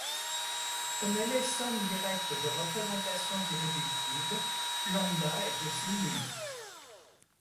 Comme elle est somme directe de représentations irréductibles, λ est aussi nulle.